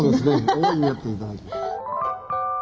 大いにやって頂き。